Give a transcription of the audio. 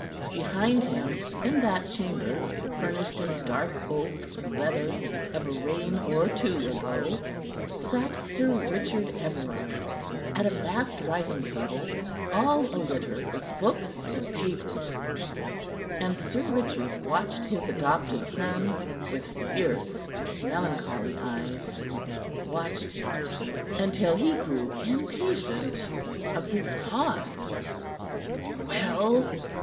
Behind him, in that chamber furnished in dark oak and leather of a reign or two ago, sat Sir Richard Everard at a vast writing table all a litter with books and papers; and Sir Richard watched his adoptive son with fierce, melancholy eyes, watched him until he grew impatient of this pause. "Well?"